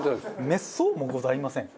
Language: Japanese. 「滅相もございません」？